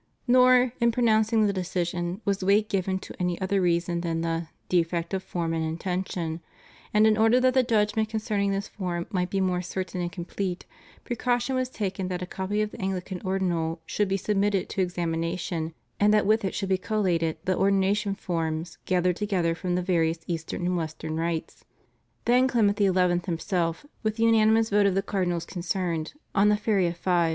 Nor, in pronouncing the decision, was weight given to any other reason than the "defect of form and intention"; and in order that the judgment concerning this form might be more certain and complete, precaution was taken that a copy of the Anglican Ordinal should be submitted to examination, and that with it should be collated the Ordination forms gathered together from the various Eastern and Western rites. Then Clement XI. himself, with the unanimous vote of the Cardinals concerned on the "Feria V.